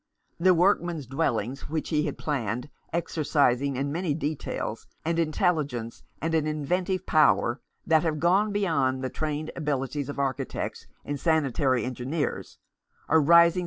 The work men's dwellings which he planned, exercising in many details an intelligence and an inventive power that have gone beyond the trained abilities of architects and sanitary engineers, are rising 391 Rough Justice.